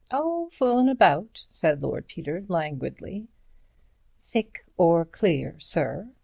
"Oh, foolin' about," said Lord Peter, languidly. "Thick or clear, sir?"